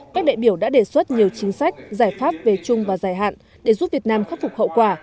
các đại biểu đã đề xuất nhiều chính sách giải pháp về chung và dài hạn để giúp việt nam khắc phục hậu quả